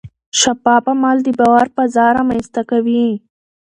شفاف عمل د باور فضا رامنځته کوي.